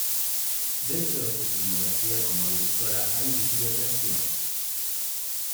Dentro de su filmografía como directora ha dirigido tres films.